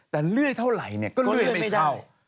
แต่เลื่อยเท่าไหร่ก็เลื่อยไม่เข้า